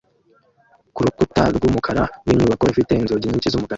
kurukuta rwumukara rwinyubako ifite inzugi nyinshi z'umukara